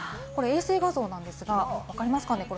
衛星画像なんですが、分かりますか？